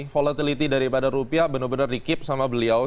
volatility daripada rupiah benar benar di keep sama beliau